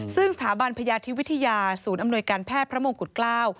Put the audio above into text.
ซึ่งสถาบันพยาธิวิทยาศูนย์อำนวยการแพทย์พระมงกุฎเกล้า